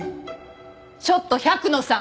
ちょっと百野さん！